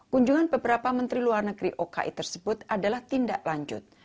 kunjungan beberapa menteri luar negeri oki tersebut adalah tindak lanjut